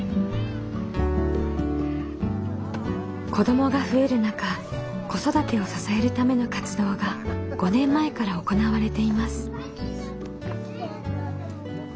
子どもが増える中子育てを支えるための活動が５年前から行われています。